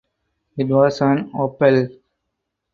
It was an Opel.